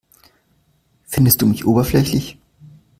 Findest du mich oberflächlich?